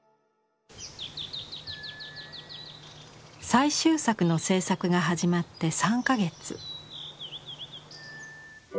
最終作の制作が始まって３か月。